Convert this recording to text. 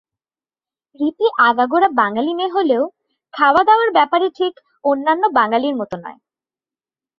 রিপি আগাগোড়া বাঙালি মেয়ে হলেও খাওয়া-দাওয়ার ব্যাপারে ঠিক অন্যান্য বাঙালির মতো নয়।